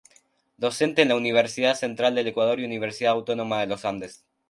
Docente en la Universidad Central del Ecuador y Universidad Autónoma de los Andes.